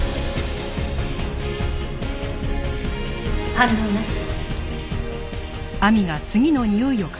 反応なし。